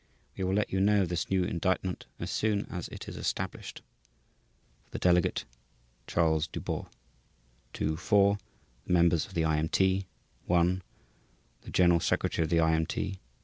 We will let you know of this new indictment as soon as it is established. For the Delegate /s/ CHARLES DUBOST to: 4 The Members of the I.M.T. 1 General Secretary of the I.M.T.